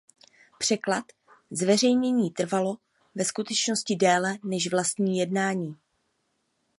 Překlad a zveřejnění trvalo ve skutečnosti déle než vlastní jednání.